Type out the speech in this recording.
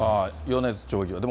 米津町議は。